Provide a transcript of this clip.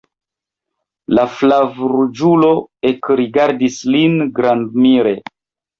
La flavruĝulo ekrigardis lin grandmire.